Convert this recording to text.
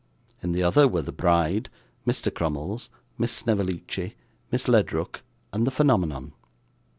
In the other were the bride, Mr. Crummles, Miss Snevellicci, Miss Ledrook, and the phenomenon.